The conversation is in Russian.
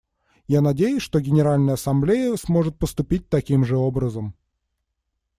Я надеюсь, что Генеральная Ассамблея сможет поступить таким же образом.